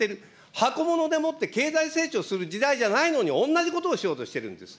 箱ものでもって経済成長する時代じゃないのに、おんなじことをしようとしてるんです。